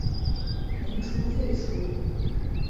民初废除。